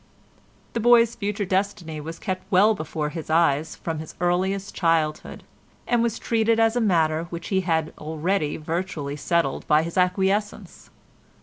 The boy's future destiny was kept well before his eyes from his earliest childhood and was treated as a matter which he had already virtually settled by his acquiescence.